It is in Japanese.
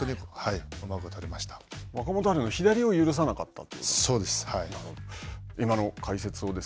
若元春の左を許さなかったといそうです。